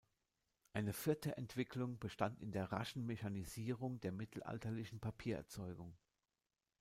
Eine vierte Entwicklung bestand in der raschen Mechanisierung der mittelalterlichen Papiererzeugung.